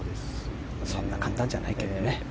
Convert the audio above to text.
そんな簡単じゃないけどね。